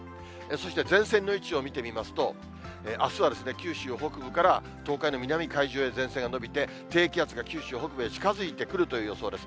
そして、前線の位置を見てみますと、あすは九州北部から東海の南海上へ前線が延びて、低気圧が九州北部へ近づいてくるという予報です。